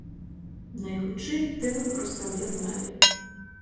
Найхутчэй, тэмы проста аб'ядналі.